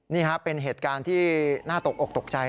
นี่ครับเป็นเหตุการณ์ที่น่าตกอกตกใจ